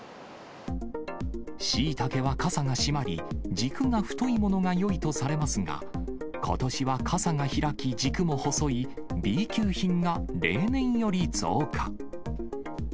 しいたけはかさがしまり、軸が太いものがよいとされますが、ことしはかさが開き、軸も細い、Ｂ級品が例年より増加。